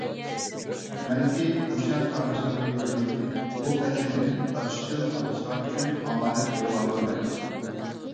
مەنكى ھۇشەڭ پادىشاھىدۇرمەنكى، بۇ خەزىنىنى دابىشلىم پادىشاھ ئۈچۈن ئامانەت قويغاندۇرمەن.